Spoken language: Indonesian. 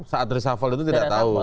saat reshuffle itu tidak tahu